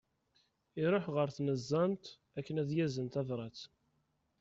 Iruḥ ɣer tnazzant akken ad yazen tabrat.